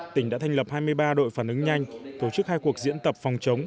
tỉnh đã thành lập hai mươi ba đội phản ứng nhanh tổ chức hai cuộc diễn tập phòng chống